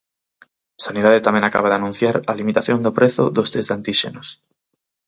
Sanidade tamén acaba de anunciar a limitación do prezo dos tests de antíxenos.